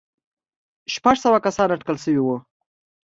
شپږ سوه کسان اټکل شوي وو.